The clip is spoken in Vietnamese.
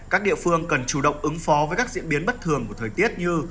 các địa phương cần chủ động ứng phó với các diễn biến bất thường của thời tiết như